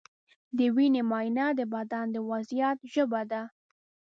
د وینې معاینه د بدن د وضعیت ژبه ده.